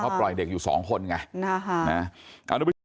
เพราะปล่อยเด็กอยู่สองคนไง